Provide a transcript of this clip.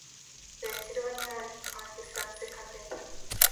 Проектирование оркестрации контейнеров